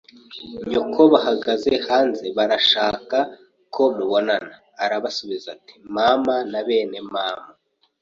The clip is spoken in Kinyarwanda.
nyoko bahagaze hanze barashaka ko mubonana Arabasubiza ati mama na bene mama